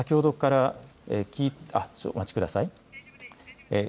お待ちください。